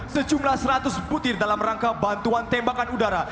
secumlah seratus putih dalam rangka bantuan tembakan udara